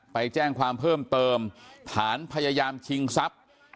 ไปแจ้งความเพิ่มเติมฐานพยายามชิงทรัพย์